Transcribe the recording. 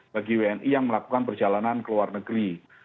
bagi wni yang melakukan perjalanan ke luar negeri